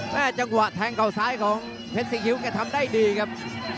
และจังหวะแทงเขาซ้ายของเพศสินคิ้วก็ทำได้ดีครับ